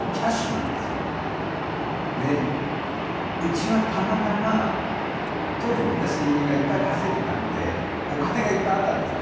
うちはたまたま当時私がいっぱい稼いでたんでお金がいっぱいあったんですね。